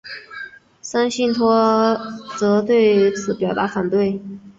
森信托则对此表达反对。